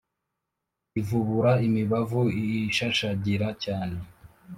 ivubura imibavu ishashagira cyane